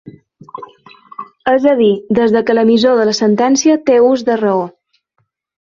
És a dir, des que l'emissor de la sentència té ús de raó.